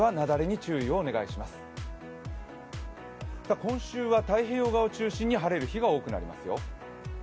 今週は太平洋側を中心に晴れる日が多くなりますよ。